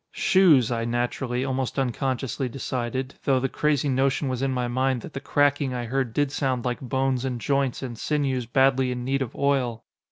"Shoes," I naturally, almost unconsciously decided, though the crazy notion was in my mind that the cracking I heard did sound like bones and joints and sinews badly in need of oil.